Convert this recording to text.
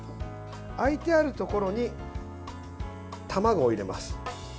空いてあるところに卵を入れます。